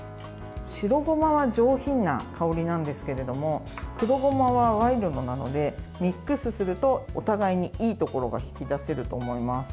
白ごまは上品な香りなんですけど黒ごまはワイルドなのでミックスするとお互いにいいところが引き出せると思います。